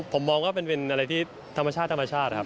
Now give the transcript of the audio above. ผมมองว่าเป็นอะไรที่ธรรมชาติครับ